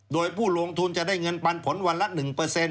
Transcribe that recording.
โดยผู้ลงทุนจะได้เงินปันผลวันละ๑